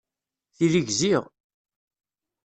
Tili gziɣ.